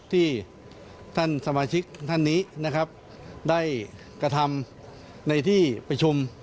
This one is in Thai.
ที่ท่านสมาชิกท่านนี้นะครับได้กระทำในที่ประชุม